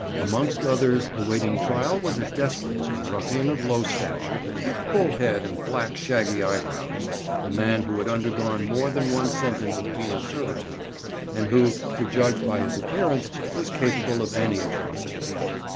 Amongst others awaiting trial was a desperate looking ruffian of low stature, with bull head and black shaggy eyebrows—a man who had undergone more than one sentence of penal servitude, and who, to judge by his appearance, was capable of any atrocity.